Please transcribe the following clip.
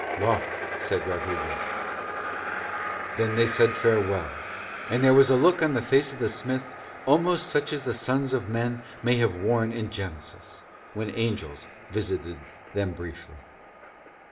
"Walk," said Rodriguez. Then they said farewell, and there was a look on the face of the smith almost such as the sons of men might have worn in Genesis when angels visited them briefly.